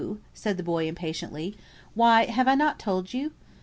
said the boy, impatiently, "why, have not I told you?